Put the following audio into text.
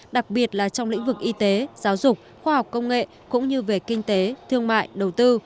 đặc biệt là trong lĩnh vực y tế giáo dục khoa học công nghệ cũng như về kinh tế thương mại đầu tư